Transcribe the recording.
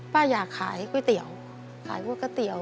อยากขายก๋วยเตี๋ยวขายก๋วยเตี๋ยว